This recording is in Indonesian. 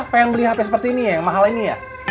pengen beli hp seperti ini ya yang mahal ini ya